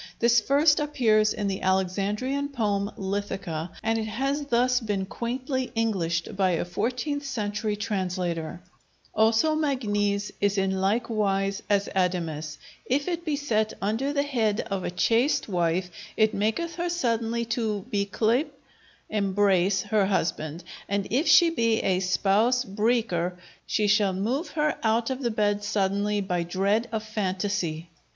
This first appears in the Alexandrian poem "Lithica," and it has been thus quaintly Englished by a fourteenth century translator: Also magnes is in lyke wyse as adamas; yf it be sett under the heed of a chaste wyfe, it makyth her sodenly to beclyppe [embrace] her husbonde; & yf she be a spowse breker, she shall meve her oute of the bed sodenly by drede of fantasy.